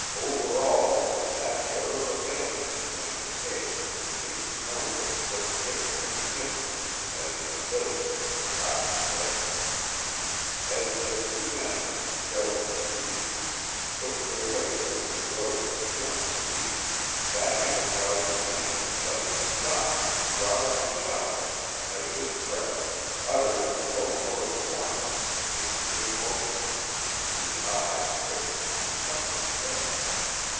Over all was that air of abandonment and decay which seems nowhere so fit and significant as in a village of the forgotten dead. As the two men, Jaralson leading, pushed their way through the growth of young trees, that enterprising man suddenly stopped and brought up his shotgun to the height of his breast, uttered a low note of warning, and stood motionless, his eyes fixed upon something ahead.